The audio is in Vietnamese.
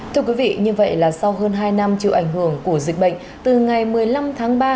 thưa quý vị như vậy là sau hơn hai năm chịu ảnh hưởng của dịch bệnh từ ngày một mươi năm tháng ba